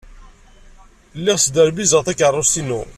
Lliɣ sderbizeɣ takeṛṛust-inu.